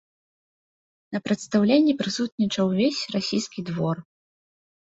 На прадстаўленні прысутнічаў увесь расійскі двор.